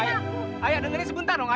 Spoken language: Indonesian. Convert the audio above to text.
ayah ayah ayah dengerin aku sebentar dong ayah